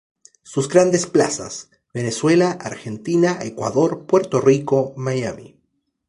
Sus grandes plazas: Venezuela, Argentina, Ecuador, Puerto Rico, Miami.